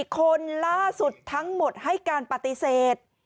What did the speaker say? คนล่าสุดทั้งหมดให้การปฏิเสธ